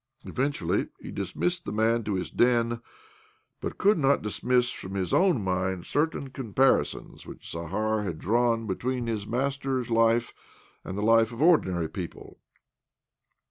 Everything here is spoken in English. Eventually he dismissed the man to his den, but could not dismiss from his own mind certain comparisons which Zakhar had drawn between his master's life and the life of ordinary people.